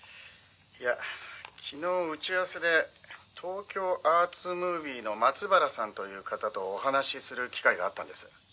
「いや昨日打ち合わせで東京アーツムービーの松原さんという方とお話しする機会があったんです」